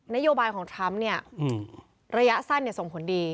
นโยบายของทรัมป์ระยะสั้นสมผลดี